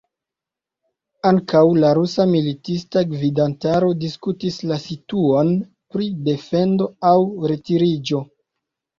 Ankaŭ la rusa militista gvidantaro diskutis la situon pri defendo aŭ retiriĝo.